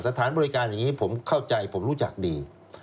สถานบริการอย่างนี้ผมเข้าใจผมรู้จักดี